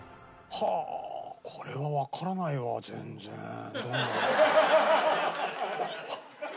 はあこれはわからないわ全然。